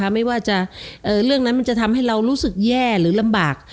ไม่ว่าเรื่องนั้นมันจะทำให้เรารู้สึกแย่หรือลำบาก